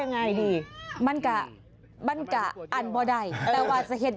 ของน้ำกว่าแน่วกว่าแถว